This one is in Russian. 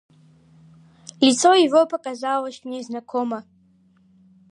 Лицо его показалось мне знакомо.